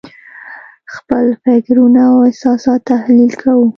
خپل فکرونه او احساسات تحلیل کوو.